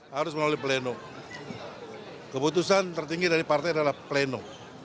harus melalui pleno keputusan tertinggi dari partai adalah pleno